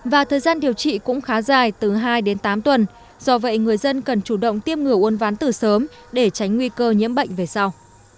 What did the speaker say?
và thời gian điều trị cũng khá dài từ hai đến tám tuần do vậy người dân cần chủ động tiêm ngừa uốn ván từ sớm để tránh nguy cơ nhiễm bệnh về sau